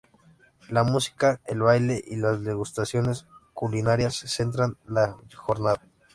La música, el baile y las degustaciones culinarias centran la jornada.